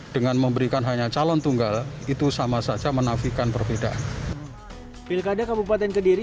dengan memberikan hanya calon tunggal itu sama saja menafikan perbedaan pilkada kabupaten kediri